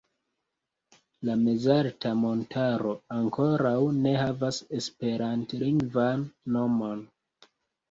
La mezalta montaro ankoraŭ ne havas esperantlingvan nomon.